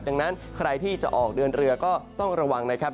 ดังนั้นใครที่จะออกเดินเรือก็ต้องระวังนะครับ